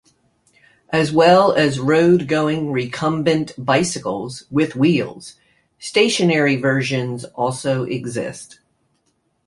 As well as road-going recumbent bicycles with wheels, stationary versions also exist.